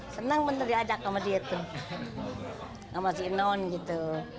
senang benar diajak sama dia itu sama si inon gitu